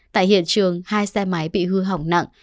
tại hiện trường hai xe máy bị hư hỏng nặng